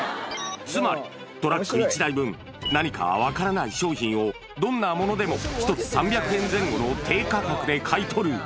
つまり、トラック１台分、何か分からない商品をどんなものでも１つ３００円前後の低価格で買い取る。